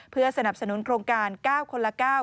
เพื่อสนับสนุนโครงการก้าวคนละก้าว